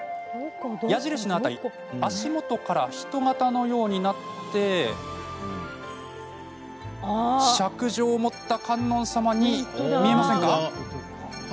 矢印の辺り足元から人型のようになってしゃくじょうを持った観音様に見えませんか？